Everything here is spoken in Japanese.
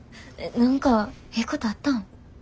何かええことあったん？